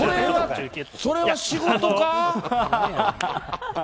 それは仕事か？